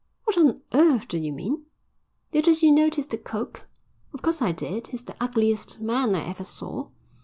"What on earth do you mean?" "Didn't you notice the cook?" "Of course I did. He's the ugliest man I ever saw."